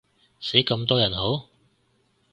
死咁多人好？